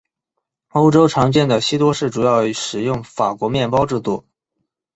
欧洲常见的西多士主要使用法国面包制作。